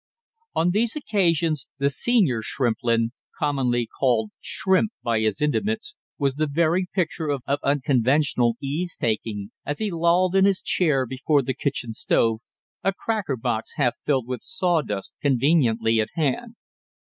On these occasions the senior Shrimplin, commonly called Shrimp by his intimates, was the very picture of unconventional ease taking as he lolled in his chair before the kitchen stove, a cracker box half filled with sawdust conveniently at hand.